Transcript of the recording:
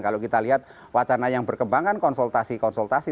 kalau kita lihat wacana yang berkembang kan konsultasi konsultasi